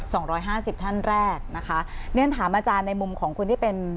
สองร้อยห้าสิบท่านแรกนะคะเรียนถามอาจารย์ในมุมของคนที่เป็น